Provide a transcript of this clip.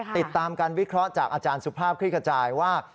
ติดตามการวิเคราะห์จากอาจารย์สุภาพคลิกระจายว่า